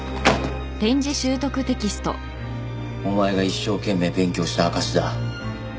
お前が一生懸命勉強した証しだ。